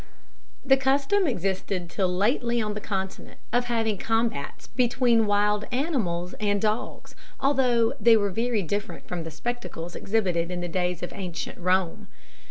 The custom existed till lately on the Continent of having combats between wild animals and dogs, although they were very different from the spectacles exhibited in the days of ancient Rome.